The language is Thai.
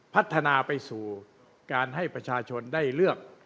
พัฒนาไปสู่การให้ประชาชนได้เลือก